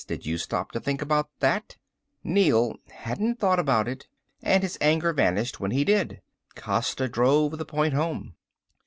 Did you stop to think about that?" Neel hadn't thought about it, and his anger vanished when he did. Costa drove the point home.